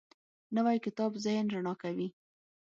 نوی کتاب ذهن رڼا کوي